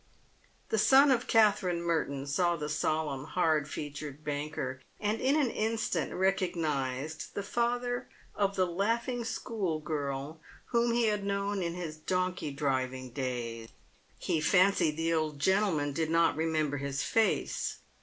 The son of Katherine Merton saw the solemn, hard featured banker, and in an instant recognised the father of the laughing school girl PAVED WITH GOLD. 295 whom lie had known in his donkey driving days. He fancied the old gentleman did not remember his face.